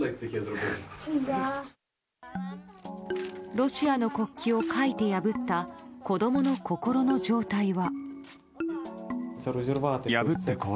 ロシアの国旗を描いて破った子供の心の状態は。